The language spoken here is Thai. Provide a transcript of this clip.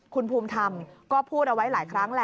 คุณภูมิธรรมก็พูดเอาไว้หลายครั้งแหละ